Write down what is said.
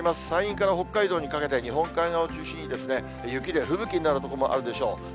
山陰から北海道にかけて日本海側を中心にですね、雪で吹雪になる所もあるでしょう。